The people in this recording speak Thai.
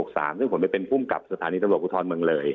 ซึ่งผมเป็นผู้มกับสถานีตระบวะกุธรเมืองเลย